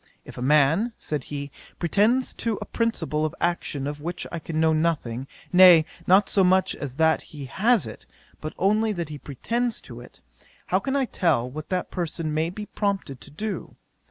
"If a man (said he,) pretends to a principle of action of which I can know nothing, nay, not so much as that he has it, but only that he pretends to it; how can I tell what that person may be prompted to do?